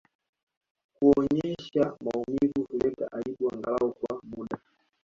Kuonyesha maumivu huleta aibu angalau kwa muda